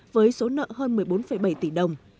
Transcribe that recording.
với số nợ hơn một mươi bốn bảy tỷ đồng